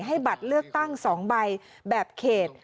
ให้บัตรเลือกตั้ง๒ใบแบบเขต